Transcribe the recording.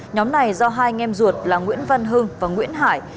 nhóm này do hai anh em ruột là nguyễn văn hưng và nguyễn hải